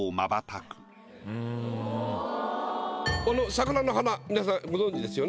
桜の花皆さんご存じですよね。